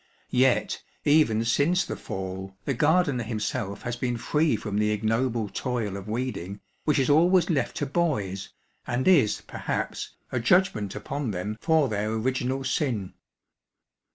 Yet, even since the Fall, the gardener himself has been free from the ignoble toil of weeding, which is always left to boys, and is, perhaps, a judgment upon them for their original sin.